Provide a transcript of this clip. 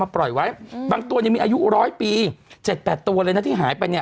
ปล่อยไว้บางตัวมีอายุร้อยปี๗๘ตัวเลยนะที่หายไปเนี่ย